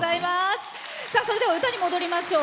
それでは、歌に戻りましょう。